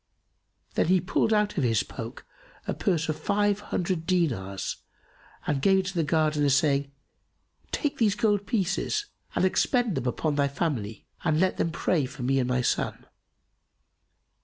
Then he pulled out of his poke a purse of five hundred dinars and gave it to the Gardener, saying, "Take these gold pieces and expend them upon thy family and let them pray for me and for this my son."